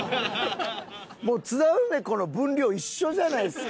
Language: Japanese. もう津田梅子の分量一緒じゃないですか。